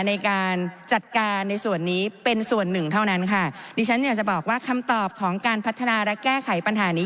ในการจัดการในส่วนนี้เป็นส่วนหนึ่งเท่านั้นค่ะดิฉันอยากจะบอกว่าคำตอบของการพัฒนาและแก้ไขปัญหานี้